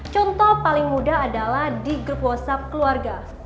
contoh paling mudah adalah di grup whatsapp keluarga